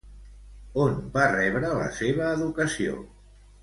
On va rebre la seva educació?